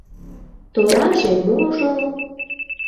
— Тораже-можо...